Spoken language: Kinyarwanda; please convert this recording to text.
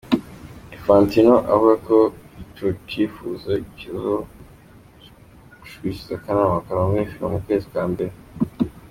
Infantino avuga ko ico cipfuzo kizoshikirizwa akanama karongoye Fifa mu kwezi kwa mbere.